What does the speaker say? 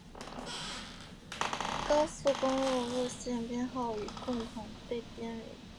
高速公路路线编号与共同被编为。